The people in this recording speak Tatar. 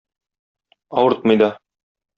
Авыртмый да.